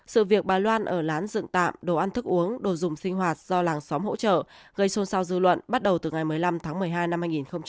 sự việc bà loan ở lán dựng tạm đồ ăn thức uống đồ dùng sinh hoạt do làng xóm hỗ trợ gây xôn xao dư luận bắt đầu từ ngày một mươi năm tháng một mươi hai năm hai nghìn hai mươi